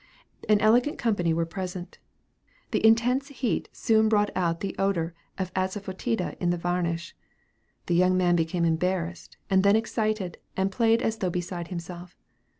An elegant company were present. The intense heat soon brought out the odor of assafoetida in the varnish. The young man became embarrassed and then excited, and played as though beside himself.